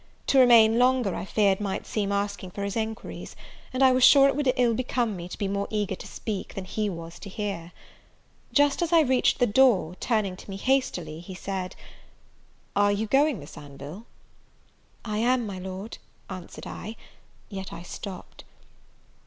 To remain longer I feared might seem asking for his enquiries; and I was sure it would ill become me to be more eager to speak, than he was to hear. Just as I reached the door, turning to me hastily, he said, "Are you going, Miss Anville?" "I am, my Lord," answered I; yet I stopped.